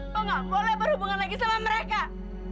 yang gua sudah rindukan